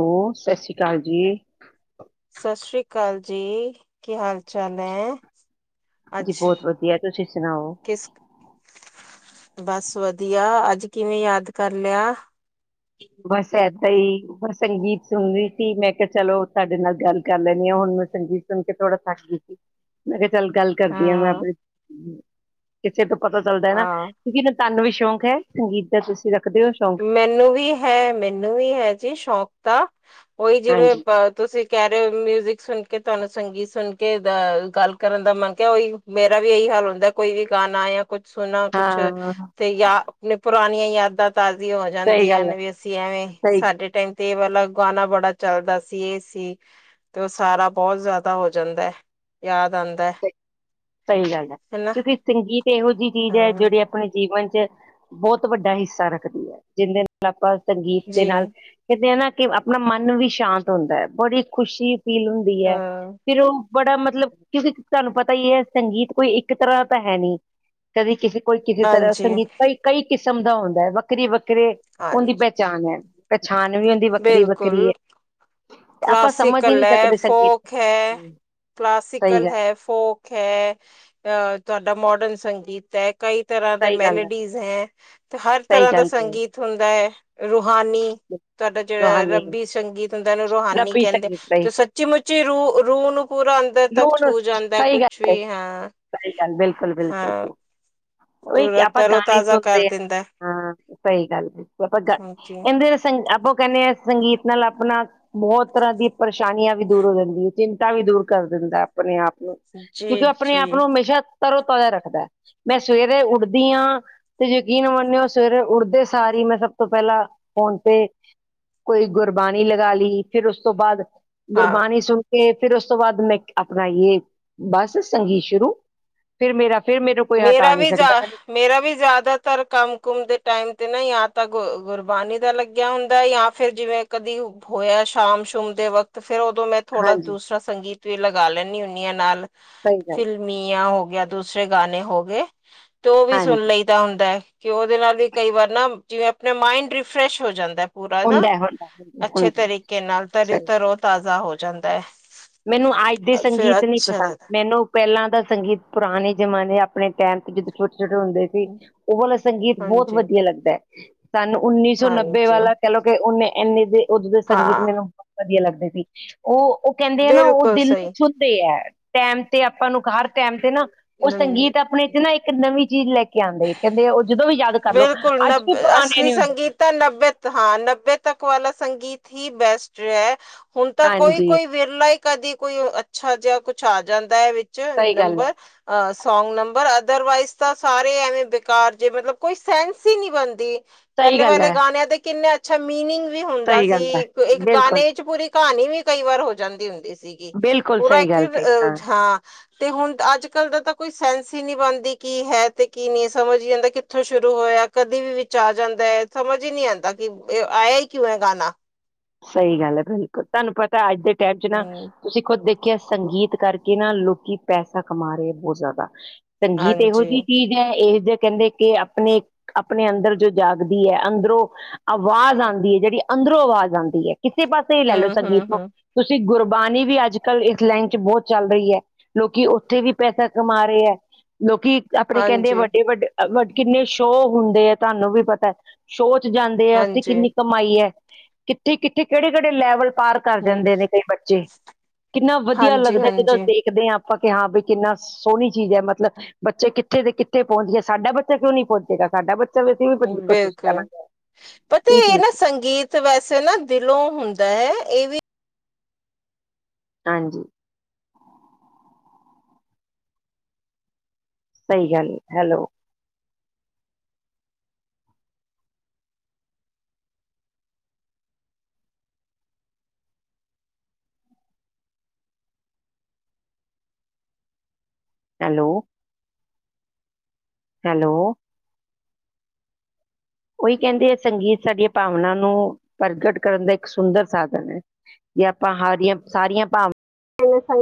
Hello, ਸਤਿ ਸ਼੍ਰੀ ਅਕਾਲ ਜੀ। ਸਤਿ ਸ੍ਰੀ ਅਕਾਲ ਜੀ। ਕੀ ਹਾਲ ਚਾਲ ਐ? ਜੀ ਬੋਤ ਵਧੀਆ, ਤੁਸੀਂ ਸੁਣਾਓ? ਕਿਸ ਬਸ ਵਧੀਆ, ਅੱਜ ਕਿਵੇਂ ਯਾਦ ਕਰ ਲਿਆ? ਬਸ ਏਦਾਂ ਈ ਬਸ ਸੰਗੀਤ ਸੁਣ ਰੀ ਸੀ। ਮੈਂ ਕਿਆ ਚਲੋ ਤੁਆਡੇ ਨਾਲ ਗੱਲ ਕਰ ਲੈਣੇ ਆਂ। ਹੁਣ ਮੈਂ ਸੰਗੀਤ ਸੁਣ ਕੇ ਥੋੜਾ ਥੱਕ ਗਈ ਸੀ, ਮੈਂ ਕਿਆ ਚੱਲ ਗੱਲ ਕਰਦੀ ਆ ਮੈਂ ਹਾਂ ਆਪਣੇ ਕਿਸੇ ਤੋਂ ਪਤਾ ਚੱਲਦਾ ਐ ਨਾਂ ਹਾਂ, ਕਿਉਂਕਿ ਤਾਨੂੰ ਵੀ ਸ਼ੌਕ ਹੈ, ਸੰਗੀਤ ਦਾ ਤੁਸੀਂ ਰੱਖਦੇ ਓ। ਮੈਨੂੰ ਵੀ ਹੈ, ਮੈਨੂੰ ਵੀ ਹੈ ਜੀ ਸ਼ੌਕ ਤਾਂ। ਉਈ ਜਿਵੇਂ ਹਾਂਜੀ ਪਾ ਤੁਸੀਂ ਕੈਅ ਰੇ ਮਿਊਜਿਕ ਸੁਣ ਕੇ, ਤੁਆਨੂੰ ਸੰਗੀਤ ਸੁਣ ਕੇ ਦਾਅ ਗੱਲ ਕਰਨ ਦਾ ਮਨ ਕਿਆ ਓਈ। ਮੇਰਾ ਵੀ ਇਹੀ ਹਾਲ ਹੁੰਦਾ ਕੋਈ ਵੀ ਗਾਣਾ ਜਾਂ ਕੁੱਛ ਸੁਣਾ, ਕੁੱਛ ਹਾਂ ਤੇ ਯਾਂ ਆਪਣੇ ਪੁਰਾਣੀਆਂ ਯਾਦਾਂ ਤਾਜ਼ੀਆਂ ਹੋ ਸਹੀ ਜਾਂਦੀਆਂ ਗੱਲ ਹੈ ਨੇ ਵੀ ਅਸੀਂ ਐਵੇਂ ਸਹੀ ਸਹੀ ਸਾਡੇ ਟਾਈਮ ਤੇ ਵਾਲਾ ਗਾਣਾ ਬੜਾ ਚਲਦਾ ਸੀ, ਏ ਸੀ। ਤੇ ਓ ਸਾਰਾ ਬੋਤ ਜ਼ਿਆਦਾ ਹੋ ਜਾਂਦਾ, ਯਾਦ ਆਂਦਾ। ਸਈ ਗੱਲ ਐ, ਕਿਉਂਕਿ ਸੰਗੀਤ ਇਹੋ ਜੀ ਚੀਜ਼ ਐ ਹਾਂ ਜੇਦੇ ਅਪ ਆਪਣੇ ਜੀਵਨ ਚ ਬੋਤ ਵੱਡਾ ਹਿੱਸਾ ਰੱਖਦੀ ਐ। ਜਿਹਂਦੇ ਨਾਲ ਆਪਾਂ ਸੰਗੀਤ ਦੇ ਜੀ ਨਾਲ ਕਿਦੇ ਹਨਾਂ ਕਿ ਆਪਣਾ ਮਨ ਵੀ ਸ਼ਾਂਤ ਹੁੰਦਾ ਏ। ਬੜੀ ਖੁਸ਼ੀ ਫੀਲ ਹੁੰਦੀ ਐ। ਹਾਂ ਫਿਰ ਓ ਬੜਾ ਮਤਲਬ ਕਿਉਂਕਿ ਤੁਆਨੂੰ ਪਤਾ ਈ ਐ ਸੰਗੀਤ ਕੋਈ ਇੱਕ ਤਰ੍ਹਾਂ ਤਾਂ ਹੈ ਨਈਂ ਕਦੀ ਕਿਸੇ ਕੋਲ ਕਿਸੇ ਤਰ੍ਹਾਂ ਹਾਂਜੀ ਸੰਗੀਤ ਕਈ-ਕਈ ਕਿਸਮ ਦਾ ਹੁੰਦਾ ਏ। ਵੱਖਰੀ-ਵੱਖਰੇ ਓਂਦੀ ਹਾਂਜੀ ਪਹਿਚਾਣ ਐੈ, ਪੈਛਾਣ ਵੀ ਓਂਦੀ ਵੱਖਰੀ-ਵੱਖਰੀ ਐ। ਬਿਲਕੁਲ ਕਲਾਸੀਕਲ ਐ, ਫੋਕ ਹੈ, ਸਹੀ ਕਲਾਸੀਕਲ ਗੱਲ ਹੈ ਫੋਕ। ਹੈ। ਅਹ ਤੁਆਡਾ ਮੋਡਰਨ ਸੰਗੀਤ ਐ। ਕਈ ਤਰ੍ਹਾਂ ਦਾ ਸਹੀ ਗੱਲ ਹੈ ਮੈਲੋਡੀਜ਼ ਹੈਂ ਤੇ ਹਰ ਸਹੀ ਤਰ੍ਹਾਂ ਦਾ ਗੱਲ ਕਹੀ ਸੰਗੀਤ ਹੁੰਦਾ ਐ, ਰੂਹਾਨੀ ਤੁਆਡਾ ਜੇੜਾ ਰੱਬੀ ਸੰਗੀਤ ਹੁੰਦਾ। ਓਨੂੰ ਰੂਹਾਨੀ ਕੈਂਦੇ ਤੇ ਸੱਚੀ-ਮੁੱਚੀ ਰੂਹ, ਰੂਹ ਨੂੰ ਪੂਰਾ ਅੰਦਰ ਤੱਕ ਛੂਹ ਜਾਂਦਾ ਕੁਛ ਵੀ, ਹਾਂ। ਸਹੀ ਗੱਲ ਬਿਲਕੁਲ ਹਾਂ ਬਿਲਕੁਲ। ਓਈ ਪੂਰਾ ਕਿਆ ਆਪਾਂ ਤਰੋ ਗਾਣੇ ਈ ਤਾਜ਼ਾ ਕਰ ਸੁਣਦੇ ਆਂ। ਦਿੰਦਾ ਹੈ। ਹਾਂ, ਸਹੀ ਗੱਲ ਬਿਲਕੁਲ ਆਪਾਂ ਗਲ, ਹਾਂਜੀ ਏੰਦੇ ਸੰ ਆਪੋ ਕੈਂਣੇ ਆਂ ਸੰਗੀਤ ਨਾਲ ਆਪਣਾ ਬਹੁਤ ਤਰ੍ਹਾਂ ਦੀਆਂ ਪਰੇਸ਼ਾਨੀਆਂ ਵੀ ਦੂਰ ਹੋ ਜਾਂਦੀ ਏ। ਚਿੰਤਾ ਵੀ ਦੂਰ ਕਰ ਦਿੰਦਾ ਆਪਣੇ ਆਪ ਨੂੰ ਕਿਉਂਕਿ ਜੀ ਆਪਣੇ ਜੀ ਆਪ ਨੂੰ ਹਮੇਸ਼ਾ ਤਰੋ-ਤਾਜਾ ਰੱਖਦਾ। ਮੈਂ ਸਵੇਰੇ ਉੱਠਦੀ ਆਂ। ਤੇ ਯਕੀਨ ਮੰਨਿਓ ਸਵੇਰੇ ਉੱਠਦੇ ਸਾਰੀ ਈ ਮੈਂ ਸਭ ਤੋਂ ਪੈਲਾਂ ਫੋਨ ਤੇ ਕੋਈ ਗੁਰਬਾਣੀ ਲਗਾ ਲੀ ਫਿਰ ਉਸ ਤੋਂ ਬਾਅਦ ਹਾਂ ਗੁਰਬਾਣੀ ਸੁਣ ਕੇ ਫਿਰ ਉਸ ਉਸ ਤੋਂ ਬਾਅਦ ਮੈਂ ਆਪਣਾ ਯੇ ਬਸ ਸੰਗੀਤ ਸ਼ੁਰੂ। ਫਿਰ ਮੇਰਾ ਫਿਰ ਮੈਨੂੰ ਕੋਈ ਹਟਾ ਮੇਰਾ ਨਹੀਂ ਵੀ ਜਾ ਸਕਦਾ ਮੈ ਮੇਰਾ ਵੀ ਜ਼ਿਆਦਾਤਰ ਕੰਮ ਕੁਮ ਦੇ ਟਾਈਮ ਤੇ ਯਾ ਤਾਂ ਗੁਰਬਾਣੀ ਦਾ ਲੱਗਿਆ ਹੁੰਦਾ ਯਾ ਫੇਰ ਜਿਵੇਂ ਕਦੀ ਹੋਇਆ ਸ਼ਾਮ ਸ਼ੂਮ ਦੇ ਵਕਤ ਫੇਰ ਉਦੋਂ ਮੈਂ ਥੋੜਾ ਹਾਂਜੀ ਦੂਸਰਾ ਸੰਗੀਤ ਵੀ ਲਗਾ ਲੈਂਦੀ ਹੁੰਨੀ ਆ ਨਾਲ। ਸਹੀ ਗੱਲ ਮੀਆਂ ਹੋ ਗਿਆ ਦੂਸਰੇ ਗਾਣੇ ਹੋ ਗਏ ਤੇ ਉਹ ਵੀ ਸੁਣ ਹਾਂਜੀ ਲਈ ਹੁੰਦਾ ਹੈ ਕਿ ਉਹਦੇ ਨਾਲ ਵੀ ਕਈ ਵਾਰ ਨਾ ਜਿਵੇਂ ਆਪਣੇ ਮਾਇੰਡ ਰਿਫਰੈਸ਼ ਹੋ ਜਾਂਦਾ ਏ। ਪੂਰਾ ਨਾ ਹੁੰਦਾ ਹੈ, ਹੁੰਦਾ ਹੈ, ਹੁੰਦਾ ਹੈ, ਅੱਛੇ ਹੁੰਦਾ ਹੈ, ਤਰੀਕੇ ਨਾਲ ਸਹੀ ਤਰ ਤਰੋ ਤਾਜ਼ਾ ਹੋ ਜਾਂਦਾ ਏ। ਮੈਨੂੰ ਅੱਜ ਦੇ ਸੰਗੀਤ ਨੀ ਪਸੰਦ। ਮੈਨੂੰ ਪਹਿਲਾਂ ਦਾ ਸੰਗੀਤ ਪੁਰਾਣੇ ਜਮਾਨੇ ਆਪਣੇ ਟੈਂਮ ਜਦੋਂ ਛੋਟੇ ਛੋਟੇ ਹੁੰਦੇ ਸੀ। ਉਹ ਵਾਲਾ ਸੰਗੀਤ ਬਹੁਤ ਹਾਂਜੀ, ਵਧੀਆ ਲੱਗਦਾ ਏੈ ਸਾਨੂੰ ਉੱਨੀ ਸੌ ਨੱਬੇ ਹਾਂਜੀ, ਵਾਲਾ ਕਹਿਲੋ ਕਿ ਉਹਨੇ ਇੰਨੇ ਦੇ ਉਦੋਂ ਦੇ ਸੰਗੀਤ ਹਾਂ ਮੈਨੂੰ ਬਹੁਤ ਵਧੀਆ ਲੱਗਦੇ ਸੀ। ਉਹ ਕਹਿੰਦੇ ਆ ਨਾ ਉਹ ਬਿਲਕੁਲ ਦਿਲ ਨੂੰ ਸਹੀ। ਛੂ ਟੈਮ ਤੇ ਆਪਾਂ ਨੂੰ ਹਰ ਟੈਮ ਤੇ ਨਾ ਉਹ ਸੰਗੀਤ ਆਪਣੇ ਚ ਨਾ ਇੱਕ ਨਵੀਂ ਚੀਜ਼ ਲੈ ਕੇ ਆਉਂਦੇ ਕਹਿੰਦੇ ਉਹ ਜਦੋਂ ਵੀ ਜਾ ਬਿਲਕੁਲ ਨਬ ਅਸਲੀ ਸੰਗੀਤ ਤਾਂ ਨੱਬੇ ਤ ਹਾਂ ਨੱਬੇ ਤੱਕ ਵਾਲਾ ਸੰਗੀਤ ਹੀ ਬੈਸਟ ਰਿਹਾ। ਹੁਣ ਤਾਂ ਕੋਈ ਹਾਂਜੀ ਕੋਈ ਵਿਰਲਾ ਕਦੀ ਕੋਈ ਅੱਛਾ ਜਿਹਾ ਕੁਛ ਆ ਜਾਂਦਾ ਹੈ। ਸਹੀ ਗੱਲ ਹੈ ਨੰਬਰ ਸੌਗ ਨੰਬਰ ਅਦਰਵਾਈਜ਼ ਤਾਂ ਸਾਰੇ ਐਵੇਂ ਬੇਕਾਰ ਜੇ ਮਤਲਬ ਕੋਈ ਸੈਨਸ ਹੀ ਨਹੀ ਬਣਦੀ। ਸਹੀ ਪਹਿਲੇ ਗੱਲ ਵਾਲੇ ਹੈ ਗਾਨੇ ਤੇ ਕਿਨਾ ਅਛਾ ਮਿਨਿੰਗ ਵੀ ਹੁੰਦਾ ਸਹੀ ਗੱਲ ਸੀ ਹੈ ਇੱਕ ਬਿਲਕੁਲ ਗਾਣੇ ਵਿੱਚ ਪੂਰੀ ਕਹਾਣੀ ਵੀ ਕਈ ਵਾਰ ਹੋ ਜਾਂਦੀ ਹੁੰਦੀ ਸੀ। ਬਿਲਕੁਲ ਪੂਰਾ ਸਹੀ ਇਕ ਗੱਲ ਕਹੀ ਹਾਂ ਹਾ ਤੇ ਹੁਣ ਅੱਜ ਕੱਲ ਦਾ ਤਾਂ ਕੋਈ ਸੈਂਸ ਹੀ ਨਹੀਂੀ ਬਣਦੀ ਕੀ ਹੈ ਤੇ ਕੀ ਨਹੀਂ ਸਮਝ ਹੀ ਜਾਂਦਾ ਕਿ ਉੱਥੋਂ ਸ਼ੁਰੂ ਹੋਇਆ ਕਦੇ ਵੀ ਵਿੱਚ ਆ ਜਾਂਦਾ ਹੈ ਸਮਝ ਹੀ ਨਹੀਂੀ ਆਉਂਦਾ ਕਿ ਇਹ ਆਇਆ ਹੀ ਕਿਉ ਗਾਣਾ। ਸਹੀ ਗੱਲ ਹੈ ਬਿਲਕੁਲ ਤੁਹਾਨੂੰ ਪਤਾ ਅੱਜ ਦੇ ਟਾਈਮ ਚ ਨਾ ਹਮ ਤੁਸੀਂ ਖੁੱਦ ਦੇ ਖਿਆ ਸੰਗੀਤ ਕਰਕੇ ਨਾ ਲੋਕੀ ਪੈਸਾ ਕਮਾ ਰਹੇ ਬਹੁਤ ਜ਼ਿਆਦਾ ਸੰਗੀਤ ਇਹੋ ਹਾਂਜੀ ਜਿਹੀ ਚੀਜ਼ ਇਹੋ ਜਿਹੇ ਕਹਿੰਦੇ ਕਿ ਆਪਣੇ ਆਪਣੇ ਅੰਦਰ ਜੋ ਜਾਗਦੀ ਹੈ ਅੰਦਰੋਂ ਆਵਾਜ਼ ਆਉਂਦੀ ਹੈ ਜਿਹੜੀ ਅੰਦਰੋਂ ਆਵਾਜ਼ ਆਉਂਦੀ ਹੈ ਕਿਸੇ ਪਾਸੇ ਹੀ ਲੈ ਲਓ ਹਮ ਸੰਗੀਤ ਹਮ ਨੂੰ ਹਮ ਤੁਸੀਂ ਗੁਰਬਾਣੀ ਵੀ ਅੱਜ ਕੱਲ੍ਹ ਇਸ ਲਾਈਨ ਚ ਬਹੁਤ ਚੱਲ ਰਹੀ ਹੈ। ਲੋਕੀ ਉੱਥੇ ਵੀ ਪੈਸਾ ਕਮਾ ਰਹੇ ਹੈ ਲੋਕੀ ਆਪਣੇ ਕਹਿੰਦੇ ਹਾਂਜੀ ਵੱਡੇ ਵੱਡੇ ਵ ਕਿੰਨੇ ਸ਼ੋਅ ਹੁੰਦੇ ਹੈ ਤੁਹਾਨੂੰ ਵੀ ਪਤਾ। ਸ਼ੋਅ ਚ ਜਾਂਦੇ ਹੈ ਉੱਥੇ ਹਾਂਜੀ ਕਿੰਨੀ ਕਮਾਈ ਹੈ ਕਿੱਥੇ ਕਿੱਥੇ ਕਿਹੜੇ ਕਿਹੜੇ ਲੈਵਲ ਪਾਰ ਕਰ ਹਮ ਜਾਂਦੇ ਨੇ ਕਈ ਬੱਚੇ ਕਿੰਨਾ ਵਧੀਆ ਹਾਂਜੀ ਲੱਗਦਾ ਜਦੋਂ ਹਾਂਜੀ ਦੇਖਦੇ ਹਾਂ। [unintelligible] ਕਿੰਨਾ ਸੋਹਣੀ ਚੀਜ਼ ਹੈ ਮਤਲਬ ਬੱਚੇ ਕਿੱਥੇ ਤੇ ਕਿੱਥੇ ਪਹੁੰਚਦੀਏ ਸਾਡਾ ਬੱਚਾ ਕਿਉਂ ਨੀ ਪਹੁੰਚੇਗਾ। ਸਾਡਾ ਬੱਚਾ, ਵੀ ਅਸੀਂ ਵੀ ਪਹੁੰਚ- ਕੋਸ਼ਿਸ਼ ਬਿਲਕੁਲ ਕਰਾਂਗੇ ਪਤਾ ਜੀ ਇਹ ਜੀ ਨਾ ਸੰਗੀਤ ਸਗੀਤ ਵੈਸੇ ਨਾ ਦਿਲੋਂ ਹੁੰਦਾ ਹੈ ਇਹ ਵੀ ਹਾਂਜੀ। ਸਹੀ ਗੱਲ ਹੈ ਹੈਲੋ। ਹੈਲੋ। ਹੈਲੋ। ਉਹੀ ਕਹਿੰਦੇ ਹੈ ਸੰਗੀਤ ਸਾਡੀਆਂ ਭਾਵਨਾ ਨੂੰ ਪ੍ਰਗਟ ਕਰਨ ਦਾ ਇੱਕ ਸੁੰਦਰ ਸਾਧਨ ਹੈ। ਜੇ ਆਪਾਂ [unintelligible] ਸਾਰੀਆਂ ਭਾਵਾਂਨਾ